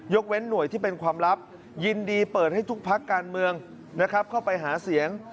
เว้นหน่วยที่เป็นความลับยินดีเปิดให้ทุกพักการเมืองนะครับเข้าไปหาเสียง